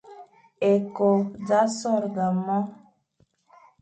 Ékô z a sôrga môr,